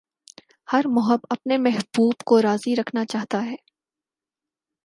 ہر محب اپنے محبوب کو راضی رکھنا چاہتا ہے